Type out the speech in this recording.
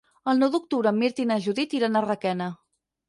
El nou d'octubre en Mirt i na Judit iran a Requena.